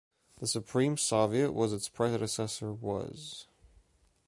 The Supreme Soviet was its predecessor was.